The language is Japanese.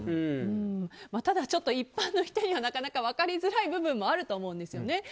ただ一般の人にはなかなか分かりづらい部分もあると思うんですよね。